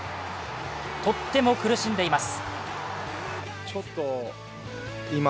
とっても苦しんでいます。